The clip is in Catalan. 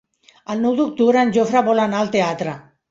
El nou d'octubre en Jofre vol anar al teatre.